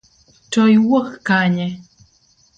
To iwuok kanye?